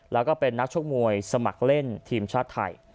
แล้วก็เป็นนักชกมวยสมัครเล่นทีมชาติไทย